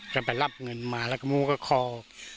ก็ไปรับเงินมาแล้วก็มูก็คอ